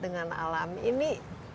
dengan alam ini